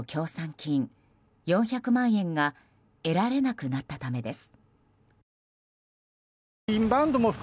金４００万円が得られなくなったためです。